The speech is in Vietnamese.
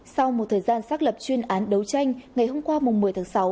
sau một thời gian xác lập chuyên án đấu tranh ngày hôm qua một mươi tháng sáu